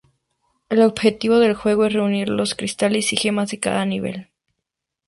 El objetivo del juego es reunir los cristales y gemas de cada nivel.